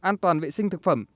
an toàn vệ sinh thực phẩm